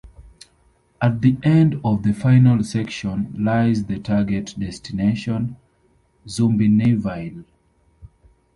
At the end of the final section lies the target destination Zoombiniville.